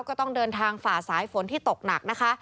ก็ต้องเดินทางฝ่าสายฝนที่ตกหนักนะคะ